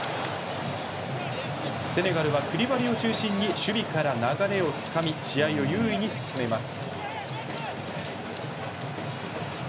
セネガルはクリバリを中心に守備から流れをつかみ試合を優位に進めます。